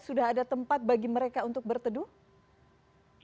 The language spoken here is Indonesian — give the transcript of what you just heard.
sudah ada tempat bagi mereka untuk berteduh